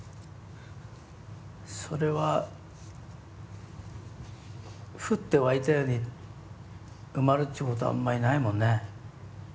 それは降って湧いたように埋まるってことはあんまりないもんね。